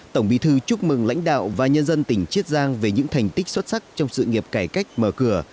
tổng bí thư chúc mừng lãnh đạo và nhân dân tỉnh chiết giang về những thành tích xuất sắc trong sự nghiệp cải cách mở cửa